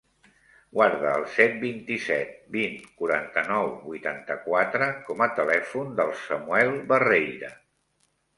Guarda el set, vint-i-set, vint, quaranta-nou, vuitanta-quatre com a telèfon del Samuel Barreira.